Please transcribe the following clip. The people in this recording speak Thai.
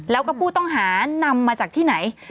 แล้วก็ผู้ต้องหานำมาจากที่ไหน